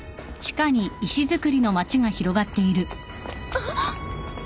あっ！